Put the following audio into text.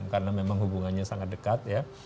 karena memang hubungannya sangat dekat ya